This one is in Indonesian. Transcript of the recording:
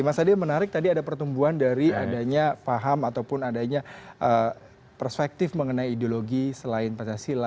mas adi menarik tadi ada pertumbuhan dari adanya paham ataupun adanya perspektif mengenai ideologi selain pancasila